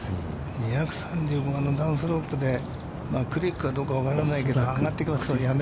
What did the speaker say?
２３５のダウンスロープで、クリックかどうか分からないけど、上がって。